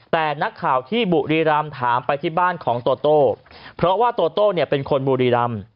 แต่นักข่าวที่บุรีรำถามไปที่บ้านของโตโต้เพราะว่าโตโต้เนี่ยเป็นคนบุรีรำ